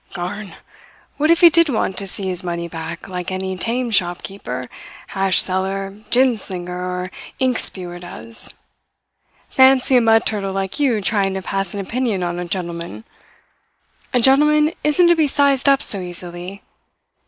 "Garn! What if he did want to see his money back, like any tame shopkeeper, hash seller, gin slinger, or ink spewer does? Fancy a mud turtle like you trying to pass an opinion on a gentleman! A gentleman isn't to be sized up so easily.